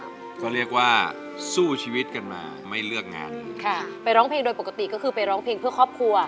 เขาเรียกว่าสู้ชีวิตกันมาไม่เลือกงานค่ะไปร้องเพลงโดยปกติก็คือไปร้องเพลงเพื่อครอบครัว